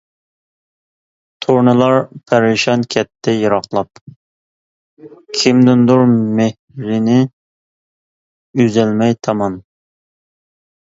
تۇرنىلار پەرىشان كەتتى يىراقلاپ، كىمدىندۇر مېھرىنى ئۈزەلمەي تامام.